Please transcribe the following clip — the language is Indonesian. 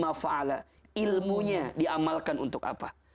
manusia akan ditanya untuk apa